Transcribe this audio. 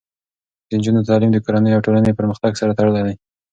د نجونو تعلیم د کورنیو او ټولنې پرمختګ سره تړلی دی.